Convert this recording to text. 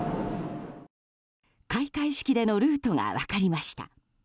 開会式でのルートが分かりました。